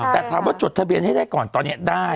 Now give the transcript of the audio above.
แต่ถามว่าจดทะเบียนให้ได้ก่อนตอนนี้ได้